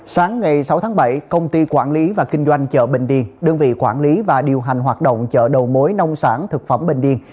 sáng ngày sáu tháng bảy công ty quản lý và kinh doanh chợ bình điền đơn vị quản lý và điều hành hoạt động chợ đầu mối nông sản thực phẩm bình điền